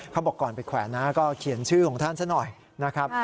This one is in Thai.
เขาบอกก่อนไปแขวนนะก็เขียนชื่อของท่านซะหน่อยนะครับ